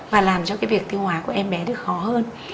và làm cho cái việc tiêu hóa của em bé được khó hơn